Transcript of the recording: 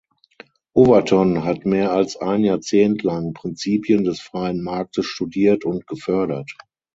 Overton hat mehr als ein Jahrzehnt lang Prinzipien des freien Marktes studiert und gefördert.